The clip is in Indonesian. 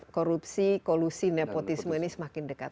korupsi kolusi nepotisme ini semakin dekat